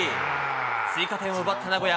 追加点を奪った名古屋